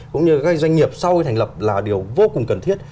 cũng như các doanh nghiệp sau thành lập là điều vô cùng cần thiết